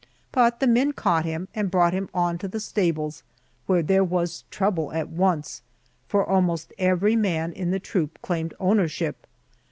But the men caught him and brought him on to the stables, where there was trouble at once, for almost every man in the troop claimed ownership.